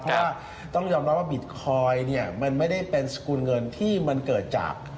เพราะว่าต้องยอมรับว่าบิตคอยน์เนี่ยมันไม่ได้เป็นสกุลเงินที่มันเกิดจาก